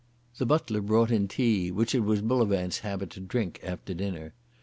The butler brought in tea, which it was Bullivant's habit to drink after dinner.